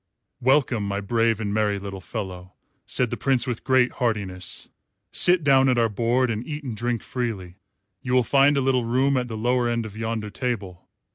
"Welcome, my brave and merry little fellow," said the Prince with great heartiness; "sit down at our board and eat and drink freely. You will find a little room at the lower end of yonder table.